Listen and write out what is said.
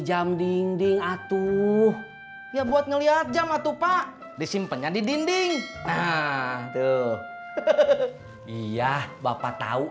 jam dinding atuh ya buat ngeliat jam atupa disimpannya di dinding tuh iya bapak tahu